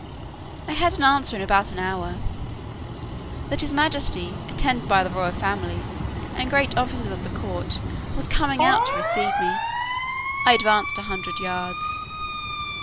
I had an answer in about an hour, "that his majesty, attended by the royal family, and great officers of the court, was coming out to receive me." I advanced a hundred yards.